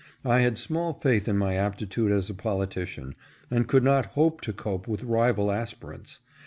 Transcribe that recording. I had small faith in my aptitude as a politician, and could not hope to cope with rival aspirants.